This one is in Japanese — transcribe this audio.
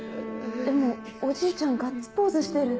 でもおじいちゃんガッツポーズしてる。